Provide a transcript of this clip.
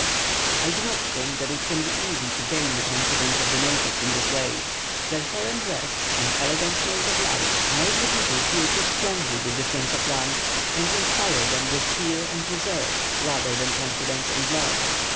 I do not think that it can be easy to gain the confidence of the natives in this way. Their foreign dress, and elegant mode of life, make the people feel too strongly the difference of rank, and inspire them with fear and reserve rather than confidence and love.